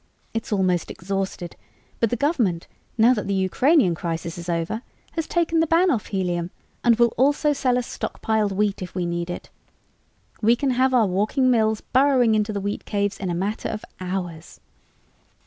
It's almost exhausted, but the government, now that the Ukrainian crisis is over, has taken the ban off helium and will also sell us stockpiled wheat if we need it. We can have our walking mills burrowing into the wheat caves in a matter of hours!